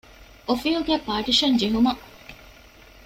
އޮފީހުގައި ޕާޓީޝަން ޖެހުމަށް